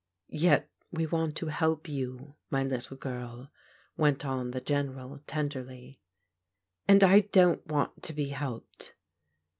" Yet we want to help you, my little girl," went on the Greneral tenderly. And I don't want to be helped."